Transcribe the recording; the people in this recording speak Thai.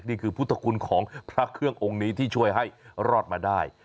นี่คือพุทธคุณของพระเครื่ององค์นี้ที่ช่วยให้รอดมาได้